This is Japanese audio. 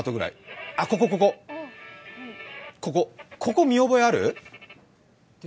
ここ、見覚えある？